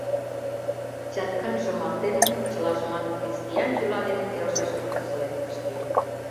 Чаткан шымартен, чылажымат христиан йӱла дене келшышын, осылен пыштен.